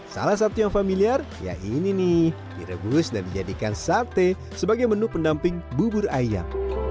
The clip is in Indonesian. salah satu yang familiar ya ini nih direbus dan dijadikan sate sebagai menu pendamping bubur ayam